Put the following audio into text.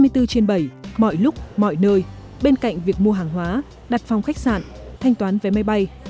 hai mươi bốn trên bảy mọi lúc mọi nơi bên cạnh việc mua hàng hóa đặt phòng khách sạn thanh toán vé máy bay